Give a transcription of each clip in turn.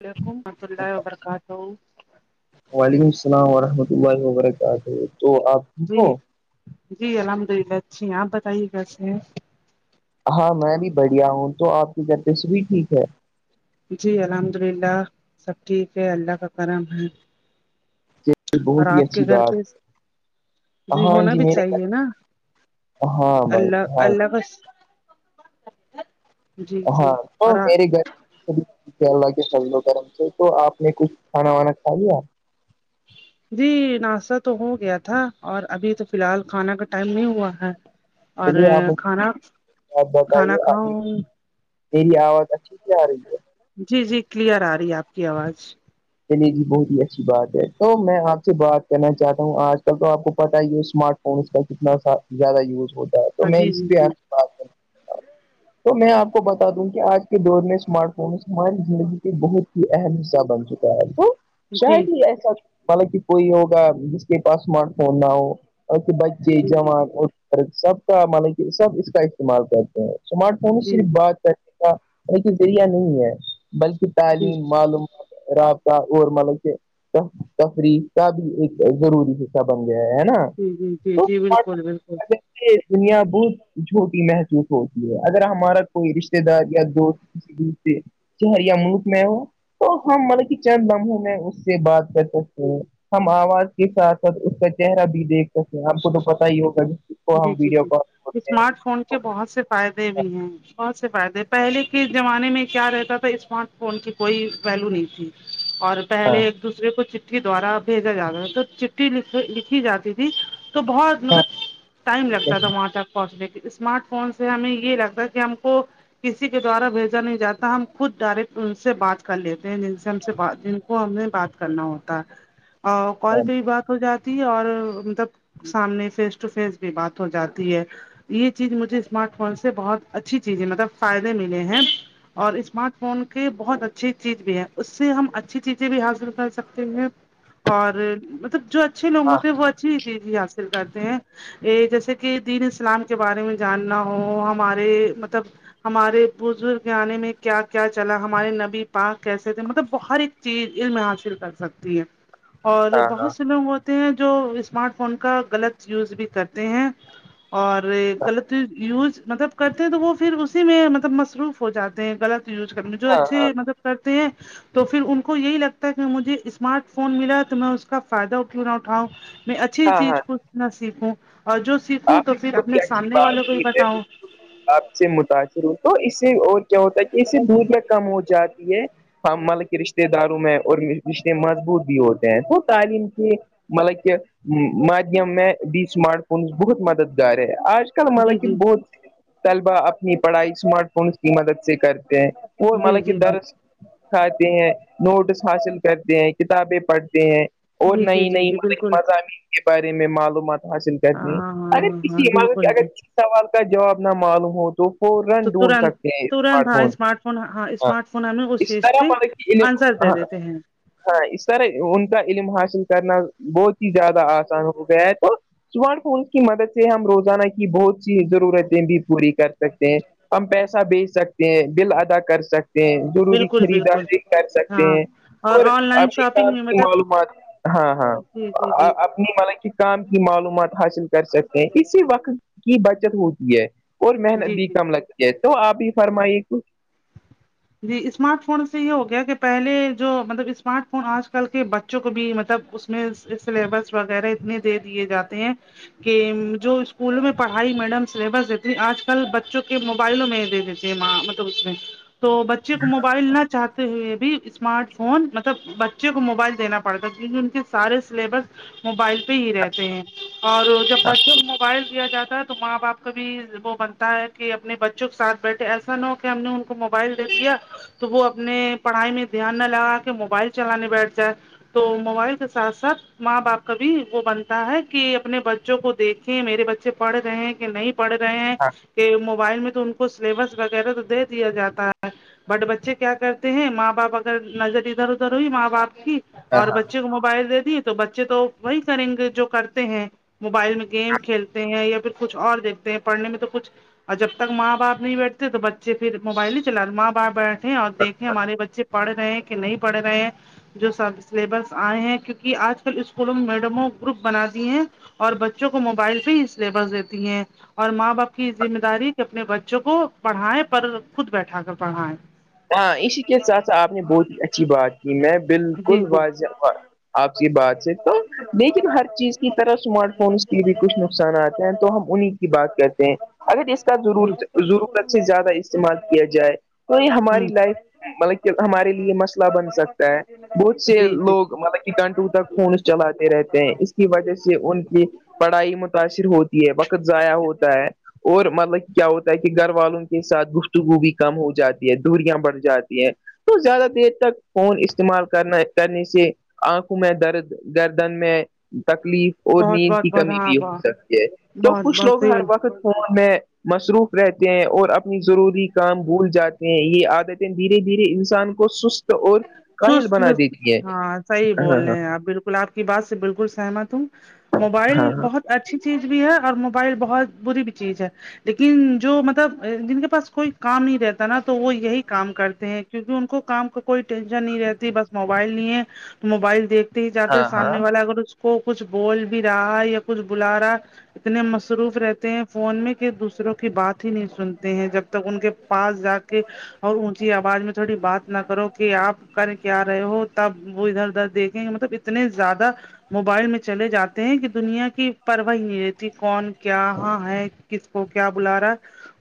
وعلیکم وورحمۃہ اللہ وبرکاتہ وعلیکم السلام ورحمۃ اللہ وبرکاتہ تو آپ ٹھیک جی ہو جی الحمد للہ اچھی ہیں آپ بتائیے کیسے ہیں ہاں میں بھی بڑھیا ہوں تو آپ کی گرپس بھی ٹھیک ہے جی الحمد للہ سب ٹھیک ہے اللہ کا کرم ہے یہ اور بہت ہی آپ کے اچھی گھر بات پہ جی ہاں ہونا بھی میرے چاہیے نا گھر ہاں بھائی اللہ ہاں اللہ کا جی جی ہاں تو اور میری گھر اللہ کے و کرم سے تو آپ نے کچھ کھانا وانا کھا لیا جی ناشتہ تو ہو گیا تھا اور ابھی تو فی الحال کھانا کا ٹائم نہیں ہوا ہے اور چلیے آپ مجھے کھانا آپ کھانا بتائیے آپ کھاؤں میری آواز اچھی نہیں آ رہی ہے جی جی کلیئر آ رہی ہے آپ کی آواز کے لیے بھی بہت ہی اچھی بات ہے تو میں آپ سے بات کرنا چاہتا ہوں آج کل تو آپ کو پتاہ ہی ہے اسمارٹ کا کتنا زیادہ یوز ہوتا ہے تو ہاں میں جی اسی پ آ جی سے بات کر تو میں آپ کو بتا دوں کہ آج کے دور میں اسمارٹ فونس ہماری زندگی کے بہت ہی اہم حصہ بن چکے ایسے جی جی شاید ہی ایسا حالک کوئی ہوگا جس کے پاس اسمارٹ فون نہ ہوک بچے جی جوان سب کا مان کہ سب اس کا استعمال کرتے ہیں اسمارٹ فون جی جی صرف بات نے کا ان کے ذریعہ نہیں ہے بلکہ جی تعلیم معلوم رابطہ اور مطلب کہ تفریح کا بھی ایک ضروری ہے اا بن گیا ہے نا جی جی جی تو جی ف بالکل بالکل یہ دنیا بہت جھوٹی محسوس ہوتی ہے اگر ہمارا کوئی رشتتے دار یا دوست شہریا ملک میں وہ ہم ملب کہ چند بموں میں اس سے بات کر سکتے ہیں ہم آواز کے ساتھ ساتھ اس کا چہرہ بھی دیکھ سکتے ہیں آپ کو تو پتا ہی ہوگا کہ جی جی جی اسمارٹ فون کے بہت سے فائدے بھی ہیں بہت سے فائدے پہلے کے زمانے میں کیا رہتا تھا اسمارٹ فون کی کوئی ویلو نہیں تھی اور ہاں پہلے دوسرے کو چٹٹیھی دوارا بھیجا جاتا ہے تو چٹھی لکھی جاتی تھی تو بہت ہاں مطلب ٹائم لگتا تھا وہاں تک پہنچنے کے اسمارٹ فون سے ہمیں یہ لگتا کہ ہم کو کسی کے دوارا بھیجا نہیں جاتا ہم خود ڈائریکٹ ان سے بات کر لیتے ہیں جن سے ہم سے بات کو ہمیں بات کرنا ہوتا ہے [inaudible] ا کال پہ بھی بات ہو جاتی ہے اور مطلب سامنے فیس ٹو فیس بھی بات ہو جاتی ہے یہ چیز مجھے اسمارٹ فون سے بہت اچھی چیز ہے مطلب فائدے ملے ہیں اور اسمارٹ فون کے بہت اچھی چیز بھی ہے اس سے ہم اچھی چیزیں بھی حاصل کر سکتے ہیں اور مطلب جو اچھے لوگ ہاں ہوتے ہیں وہ اچھی چیزی حاصل کرتے ہیں یہ جیسے کہ دین اسلام کے بارے میں جاننا ہو ہمارے مطلب ہمارے بزرگ آنے میں کیا کیا چلا ہمارے نبی پاک کیسے تھے مطلب بر چیز علم حاصل کر سکتی ہے اور ہاں بہت سے لوگ ہوتے ہیں جو اسمارٹ فون کا غلط یوز بھی کرتے ہیں اور غلط یوز مطلب کرتے ہیں تو وہ پھر اسی میں مطلب مصروف ہو جاتے ہیں غلط یوز کرنے میں جو ہاں ہاں اچھے مطلب کرتے ہیں تو پھر ان کو یہی لگتا ہے کہ مجھے اسمارٹ فون ملا تو میں اس کا فائدہ ا نہ اٹھاؤں میں اچھی ہاں ہاں چیز ک نہ سیکھوں اور جو سیکھوں آپ تو نے پھر بہت ہی اپنے اچھی سامنے والوں بات کو بھی کی ہے بتاؤں آپ سے متاثر ہووں تو اس سے اور کیا ہوتا ہے کہ اس سے دول میں کم ہو جاتی ہے مل کے رشتے داروں میں اور رشتے مضبوط بھی ہوتے ہیں تو تعلیم کے مطلب کہ مادھیم میں بھی اسمارٹ فون بہت مددگار ہے آج کل جی مطلب کہ جی بہت طلبا اپنی پڑھائی اسمارٹ فونس کی مدد سے کرتے ہیں وہ مطلا جی جی کہ جی در کھاتے ہیں نوٹس حاصل کرتے ہیں کتابیں پڑھتے ہیں اور جی جی نئی جی نئی جی بالکل مضامین کے بارے میں معلومات حاصل کرنے ہاں ارے ہاں ہاں کسی مطلب کہ اگر بالکل ک سوال کا جواب نہ معلوم ہو تو فورا تو ڈھونڈ ترت سکتے ہیں ترنت اسمارٹ ہاں سے اسمارٹ فون ہاں اسمارٹ فون ہمیں اس چیز طرح کے مطلب کہ علم آنسر دے ہاں دیتے ہیں ہاں اس طرح ان کا علم حاصل کرنا بہت ہی زیادہ آسان ہو گیا ہے تو اسمارٹ فون کی مدد سے ہم روزانہ کی بہت سی ضرورتیں بھی پوری کر سکتے ہیں ہم پیسہ بھیج سکتے ہیں بل ادا کر سکتے س ہیں ضروری بالکل بالکل خریداری کر سکتے ہاں ہیں اور آن لائن اپنی شاپنگ کام میں کی مطلب معلومات ہاں ہاں جی جی جی جی اپنی ملب کہ کام کی معلومات حاصل کر سکتے ہیں اسی وقت کی بچت ہوتی ہے اور محنت جی بھی جی کم لگتی ہے تو آپ ہی فرمائیے ک جی اسمارٹ فون سے یہ ہو گیا کہ پہلے جو مطلب اسمارٹ فون آج کل کے بچے بچوں کو بھی مطلب اس میں سلیبس وغیرہ اتنے دے دیے جاتے ہیں کہ جو اسکولوں میں پڑھائی میڈم سلیبس دیتی آج کل بچوں کے موبائلوں میں ہی دے دیتےما اس میں تو بچے کو موبائل نہ چاہتے ہوئے بھی اسمارٹ فون مطلب بچے کو موبائل دینا پڑتا ہے کیونکہ ان کے سارے سلیبس موبائل پہ ہی رہتے ہیں اور جب بچوں کو موبائل دیا جاتا ہے تو ماں باپ کو بھی وہ بنتا ہے کہ اپنے بچوں کے ساتھ بیٹھے ایسا نہ ہو کہ ہم نے ان کو موبائل دے دیا تو وہ اپنے پڑھائی میں دھیان نہ لگا کے موبائل چلانے بیٹھ جائے تو موبائل کے ساتھ ساتھ ماں باپ کا بھی وہ بنتا ہے کہ اپنے بچوں کو دیکھیں میرے بچے پڑھ رہے ہیں کہ نہیں پڑھ رہے ہیں ہاں کہ موبائل میں تو ان کو سلیبس وغیرہ تو دے دیا جاتا تا ہے بٹ بچے کیا کرتے ہیں ماں باپ اگر نظر ادھر ادھر ہوئی ماں باپ کی اور ہاں بچے کو موبائل دے دیے تو بچے تو وہی کریں گے جو کرتے ہیں موبائل میں گیم کھیلتے ہیں یا پھر کچھ اور دیکھتے ہیں پڑھنے میں تو کچھ اور جب تک ماں باپ نہیں بیٹھتے تو بچے پھر موبائل ہی چلاتے ماں باپ بیٹھے اور دیکھیں ہمارے بچے پڑھ رہے ہیں کہ نہیں پڑھ رہے ہیں جو سب سلیبس آئے ہیں کیونکہ آج کل اسکولوں میں میڈموں گروپ بنا دیں ہیں اور بچوں کو موبائل پہ ہی سلیبس دیتی ہیں اور ماں باپ کی ذمہ داری کہ اپنے بچوں کو پڑھائیں پر خود بیٹھا کر پڑھائیں ہاں اسی کے ساتھ ساتھ آپ نے بہت ہی اچھی بات کی میں جی بالکل جی واضع آپ کی بات سے تو لیکن ہر چیز کی طرح اسمارٹ فونس کے بھی کچھ نقصانات ہیں تو ہم انہیں کی بات کرتے ہیں اگر اس جی ضرورت ضرورت سے زیادہ استعمال کیا جائے تو یہ ہم ہ ہماری لائف مطلب کہ ہمارے لیے مسئلہ بن سکتا ہے بہت سے جی جی لوگ مطلب کتنے گنٹو تک فون چلاتے رہتے ہیں اس کی وجہ سے ان کی پڑھائی متاثر ہوتی ہے وقت ضائع ہوتا ہے اور مطلب کیا ہوتا ہے کہ گھر والوں کے ساتھ گفتگو بھی کم ہو جاتی ہے دوریاں بڑھ جاتی ہیں تو زیادہ دیر تک فون استعمال کرنا کرنے سے آنکھوں میں درد گردن میں تکلیف اور بہت نیند بہت کی بہت کمی ہاں بھی ہو بہت سکتی ہے تو بہت کچھ بہت لوگ صحیح ہر وقت فون میں مصروف رہتے ہیں اور اپنی ہ ضروری کام بھول جاتے یہ عادتیں دھیرے دھیرے انسان کو سست اور کاہل سست بنا دیتی ہے ہاں صحیح بول ہاں رہے ہیں آپ بالکل میں آپ کی بات سے بالکل سہمت ہوں موبائل ہاں ہاں بہت اچھا اچھی چیز بھی ہے اور موبائل بہت بری بھی چیز ہے لیکن جو مطلب جن کے پاس کوئی کام نہیں رہتا نا تو وہ یہی کام کرتے ہیں کیونکہ ان کو کام کا کوئی ٹینشن نہیں رہتی بس موبائل نہیں ہے تو موبائل دیکتے ہی جاتتے ہاں سامنے ہاں والا اگر اس کو کچھ بول بھی رہا ہے یا کچھ بلا رہا اتنے مصروف رہتے ہیں فون میں کہ دوسروں کی بات ہی نہیں سنتے ہیں جب تک ان کے پاس جا کے اور اونچی آواز میں تھوڑی بات نہ کرو کہ آپ کریں کیا رہے ہو تب وہ ادھر ادھر دیکھیں گے مطلب اتنے زیادہ موبائل میں چلے جاتے ہیں کہ دنیا کی پروہ ہی نہیں رہتی کون کہاں ہے کس کو کیا بلا رہا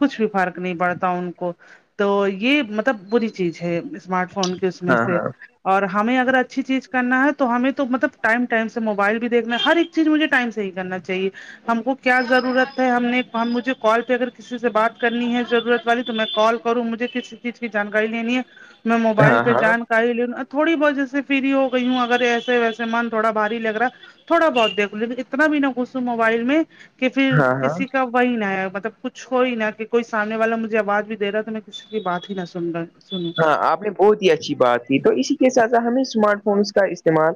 کچھ بھی فرق نہیں پڑتا ان کو تو یہ مطلب بری چیز ہے اس فون کے اس میں ہاں ہاں سے ہاں اور ہمیں اگر اچھی چیز کرنا ہے تو ہمیں تو مطلب ٹائم ٹائم سے موبائل بھی دیکھنا ہے ہر ایک چیز مجھے ٹائم سے ہی کرنا چاہیے ہم کو کیا ضرورت ہے ہم نے ہم مجھے کال پہ اگر کسی سے بات کرنی ہے ضرورت والی تو میں کال کروں مجھے کسی کی کی جانکاری لینی ہے میں موبائل ہاں پہ ہاں جان کاری لے لوں تھوڑی بہت جیسے فری ہو گئی ہوں اگر ایسے ویسے من تھوڑا بھاری لگ رہا تھوڑا بہت دیکھو لیکن اتنا بھی نہ گسو موبائل میں کہ پھر ہاں ہاں کسی کا وہی نہ مطلب کچھ ہو ہی نہا کہ کوئی سامنے والا مجھے آواز بھی دے رہا ہے تو میں کچھ کی بات ہی نہ سن رہا سنو ہاں آپ نے بہت ہی اچھی بات تھی تو اسی کے ساتھ ساتھ ہمیں اسمارٹ فونس کا استعمال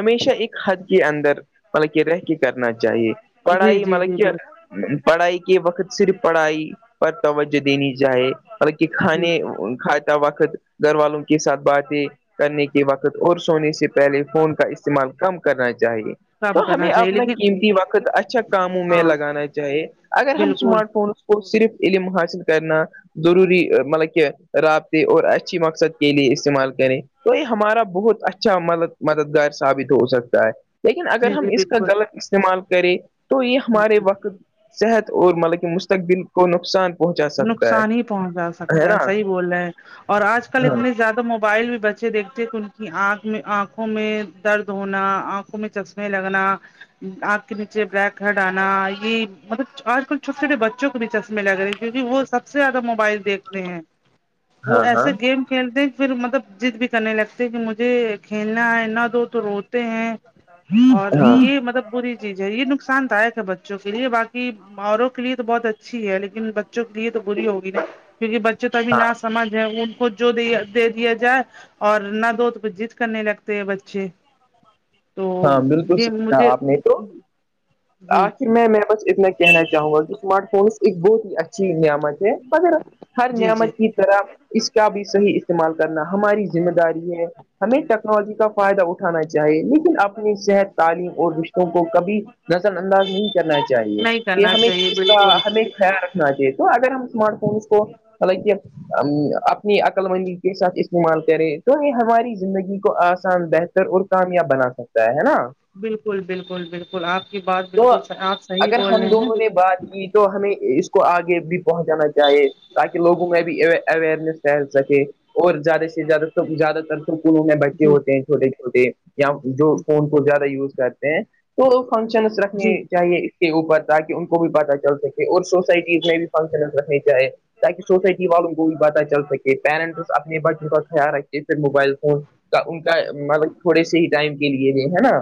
ہمیشہ ایک حد کے اندر مطلب کہ رہ کے کرنا چاہیے جی پڑھائی جی مطلب جی بالکل کہ پڑھائی کے وقت صرف پڑھائی پر توجہ دینی چاہے کہ جی کھانے جی کھاتا وقت گھر والوں کے ساتھ باتیں کرنے کے وقت اور سونے سے پہلے فون کا استعمال کم کرنا چاہیے تو کام ہمیں کرنا چاہیے اپنا لیکن قیمتی وقت اچھا کاموں میں ہاں لگانا چاہیے اگر ہم بالکل اسمارٹ فون صرف علم حاصل کرنا ضروری مطلب کہ رابط اور اچھی مقصد کے لیے استعمال کریں تو یہ ہمارا بہت اچھا مطلب مددگار ثابت ہو سکتا ہے لیکن اگر جی ہم جی اس کا بالکل غلط استعمال کریں تو یہ ہمارے بالکل وقت صحت اور مطلب کہ مستقبل کو نقصان پہنچا سکتا ہے نقصان ہی پہنچا سکتا ہے صحیح بول رہے ہے اور آج کل ہاں اتنے زیادہ موبائل بھی بچ اے دیکھتے کہ ان کی آنکھ میں آنکھوں میں درد ہونا آنکھوں میں چشمے لگنا آگ کے نیچے بلیک ہیڈ آنا یہ مطلب آج کل چھوٹے چھوٹے بچوں کو بھی چشمے لگ رہے کیونکہ وہ سب سے زیادہ موبائل دیکھتے ہیں وہ ہاں ہاں ایسے گیم کھیلتے پھر مطلب ضد بھی کرنے لگتے کہ مجھے کھیلنا ہےنا دو تو روتے ہیں اور ہو یہ مطلب بری چیز ہے یہ نقصان داک ہے بچوں کے لیے باقی اوروں کے لیے تو بہت اچھی ہے لیکن ب بوں کے لیے تو بری ہوگی نا کیونکہ بچے تو ابھی ہاں نہ سمجھ ہے ان کو جو د دے دیا جائے اور نہ دوت جد کرنے لگتے ہیں بچے تو ہاں بالکل یہ سیکھا مجھے آپ نے تو جی آخر میں میں بس میں کہنا چاہوں گا کہ اسمارٹ فونس ایک بہت ہی اچھی نعمت ہے مگر ہر جی جی نعمت کی اس کا بھی صحیح استعمال کرنا ہماری ذمہ داری ہمیں ٹیکنالوجی کا فائدہ اٹھا ا چاہیے لیکن اپنی صحت تعلیم اور رشتوں کو کبھی نظر انداز نہیں کرنا چاہیے نہیں کہ کرنا ہمیں چاہیے اس کا بالکل ہمیں خیال رکھنا چاہیے تو اگر ہم اسمارٹ فون اس کو [unintelligible] اپنی عقل مندی کے ساتھ استعمال کریں تو یہ ہماری زندگی کو آسان بہتر اور کامیاب بنا سکتا ہے نا بالکل بالکل بالکل آپ کی بات تو بالکل آپ صحیح اگر بول ہم رہے ہیں دونوں بل نے بات تو ہمیں اس کو آگے بھی پہنچانا چاہیے تاکہ لوگوں میں بھی اویئرنیس پھیل سکے اور زیادہ سے زیادہ ت زیادہ تر اسکولوں میں بچے جی ہوتے ہیں چھوٹے چھوٹے یا جو فون جی کو زیادہ یوز کرتے ہیں تو فنکشنس رکھنی چاہیے کے اوپر تاکہ ان کو بھی پتاہ چل سکے اور سوسائٹیز میں بھی فنکشنز رہنے چاہے تاکہ سوسائٹی والوں کو بھی پتاہ چل سکے پیرنٹس اپنے بچوں کا خیال رکھے جیسے موبائل فون کا ان کا مطلب تھوڑے سے ہی ٹائم کے لیے بھی ہے نا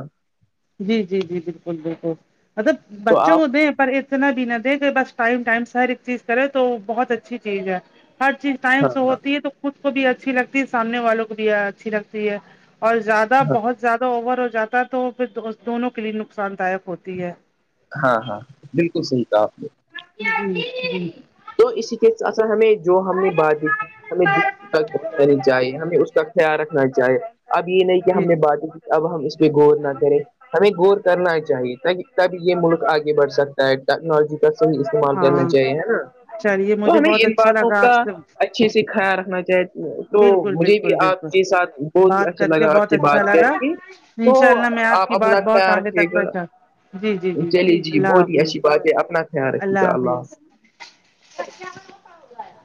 جی جی جی بالکل بالکل مطلب تو بچوں آپ کو دیں ہیں پر ایک اتنا بھی نہ دے کہ بس ٹائم ٹائم سے ہر ایک چیز کرے تو بہت اچھی چیز ہے ہر چیز ٹائم ہاں سے ہاں ہوتی ہے تو خود کو بھی اچھی لگتی ہے سامنے والوں کو بھی اچھی لگتی ہے اور زیادہ بہت زیادہ اوور ہو جاتا تو پھر دونوں کے لیے نقصان داک ہوتی ہے ہاں ہاں بالکل صحیح کھا آپ نے جی جی [unintelligible] تو اسی کے اثر ہمیں جو ہم نے بات دی ہمیں ج ت پنی چاہیے ہمیں اس کا خیال رکھنا چاہیے اب یہ نہیں کہ ہم جی نے بات کی اب ہم اس پہ غور نہ کریں ہمیں غور کرنا چاہیے تھاہ تب یہ ملک آگے بڑھ سکتا ہے ٹیکنالوجی کا صحیح استعمال ہاں کرنا چاہیے نا چلیے تو مجھے ہما بہت ان اچھا باتوں لگا آپ کا سے اچھے سے خیال رکھنا چاہی تو بالکل مجھے بھی بالکل آپ بالکل کے ساتھ بہت ہی بات اچھا کر کے لگا آپ بہت سے اچھا بات کر لگا کے تو انشاء اللہ میں آپ کی اپنا بات بہت خیال آگے رکھیے تک گا پہنچا جی جی چلیے جی اللہ بہت ہی حافظ اچھی بات ہے اپنا خیال رکھیے گا اللہ اچھا [inaudible]